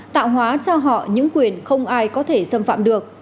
tạo hóa cho họ những quyền không ai có thể xâm phạm được